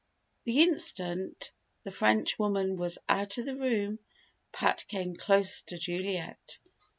The instant the Frenchwoman was out of the room, Pat came close to Juliet.